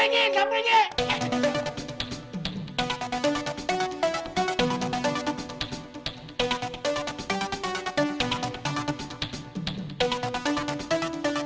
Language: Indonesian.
gujran ke syam deh